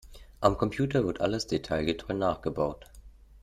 Am Computer wird alles detailgetreu nachgebaut.